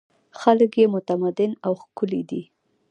خلک یې متمدن او ښکلي دي.